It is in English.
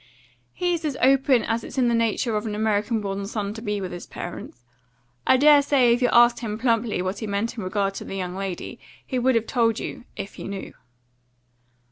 "He's as open as it's in the nature of an American born son to be with his parents. I dare say if you'd asked him plumply what he meant in regard to the young lady, he would have told you if he knew."